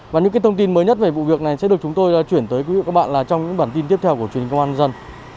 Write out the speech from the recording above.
và những thông tin mới nhất về vụ việc này sẽ được chúng tôi chuyển tới quý vị và các bạn trong những bản tin tiếp theo của truyền hình công an dân